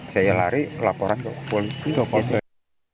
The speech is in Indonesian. saya lari laporan ke polsek